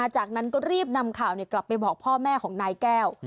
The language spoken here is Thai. จากนั้นก็รีบนำข่าวกลับไปบอกพ่อแม่ของนายแก้ว